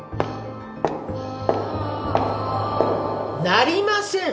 なりません。